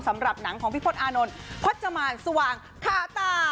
สำหรับหนังของพี่พลตอานนท์พจมานสว่างคาตา